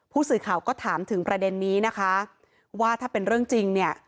ผู้สื่อข่าวก็ถามถึงประเด็นนี้นะคะว่าถ้าเป็นเรื่องจริงเนี่ย